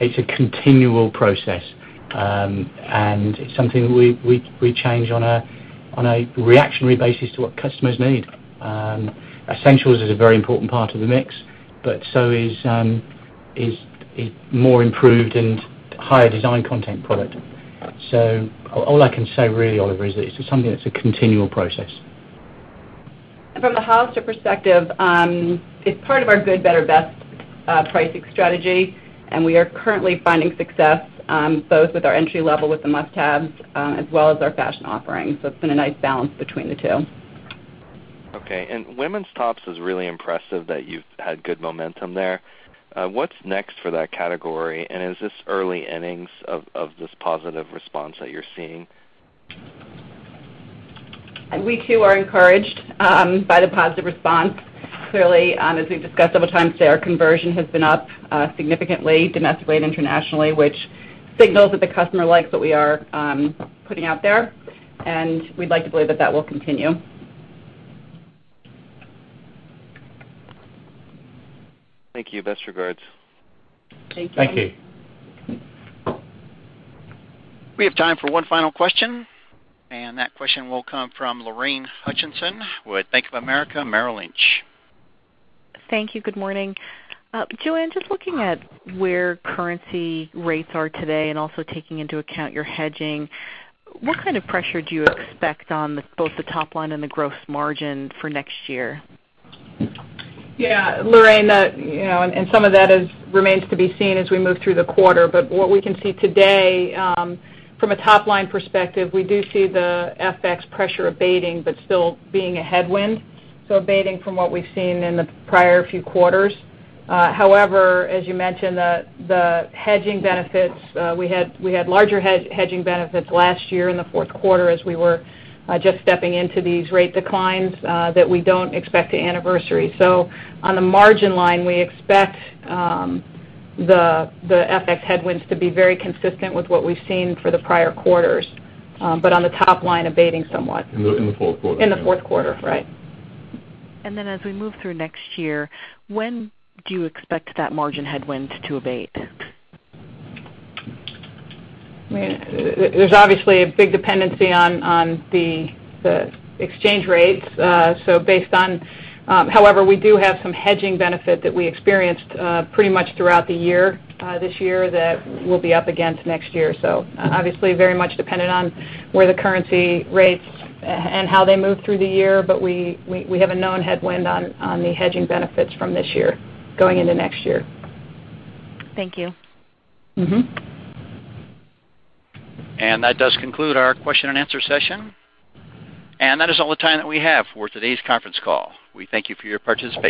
Speaker 7: It's a continual process. It's something we change on a reactionary basis to what customers need. Essentials is a very important part of the mix, but so is more improved and higher design content product. All I can say really, Oliver, is that it's just something that's a continual process.
Speaker 6: From the Hollister perspective, it's part of our good, better, best pricing strategy, and we are currently finding success, both with our entry level with the must-haves, as well as our fashion offerings. It's been a nice balance between the two.
Speaker 22: Okay. Women's tops is really impressive that you've had good momentum there. What's next for that category? Is this early innings of this positive response that you're seeing?
Speaker 6: We too are encouraged by the positive response. Clearly, as we've discussed several times today, our conversion has been up significantly, domestically and internationally, which signals that the customer likes what we are putting out there, and we'd like to believe that that will continue.
Speaker 22: Thank you. Best regards.
Speaker 6: Thank you.
Speaker 7: Thank you.
Speaker 1: We have time for one final question. That question will come from Lorraine Hutchinson with Bank of America Merrill Lynch.
Speaker 23: Thank you. Good morning. Joanne, just looking at where currency rates are today and also taking into account your hedging, what kind of pressure do you expect on both the top line and the gross margin for next year?
Speaker 5: Yeah. Lorraine, some of that remains to be seen as we move through the quarter. What we can see today, from a top-line perspective, we do see the FX pressure abating but still being a headwind, so abating from what we've seen in the prior few quarters. However, as you mentioned, the hedging benefits, we had larger hedging benefits last year in the fourth quarter as we were just stepping into these rate declines, that we don't expect to anniversary. On the margin line, we expect the FX headwinds to be very consistent with what we've seen for the prior quarters. On the top line, abating somewhat. In the fourth quarter. In the fourth quarter, right?
Speaker 23: As we move through next year, when do you expect that margin headwind to abate?
Speaker 5: There's obviously a big dependency on the exchange rates. However, we do have some hedging benefit that we experienced pretty much throughout the year, this year, that we'll be up against next year. Obviously, very much dependent on where the currency rates and how they move through the year, but we have a known headwind on the hedging benefits from this year going into next year.
Speaker 23: Thank you.
Speaker 1: That does conclude our question and answer session. That is all the time that we have for today's conference call. We thank you for your participation